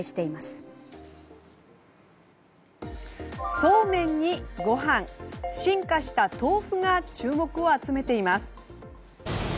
そうめんにご飯進化した豆腐が注目を集めています。